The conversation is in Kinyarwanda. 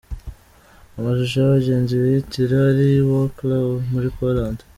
Amashusho y’abagenzi bihitira ari i Wroclaw muri Poland.